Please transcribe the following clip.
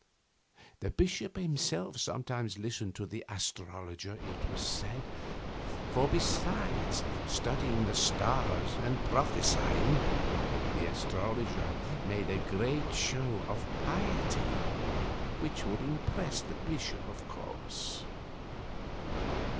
The bishop himself sometimes listened to the astrologer, it was said, for, besides studying the stars and prophesying, the astrologer made a great show of piety, which would impress the bishop, of course.